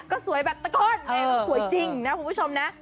ก็สวยแบบตะโกนสวยจริงนะคุณผู้ชมนะ